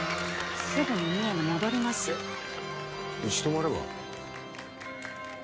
すぐに三重に戻りますうち泊まれば？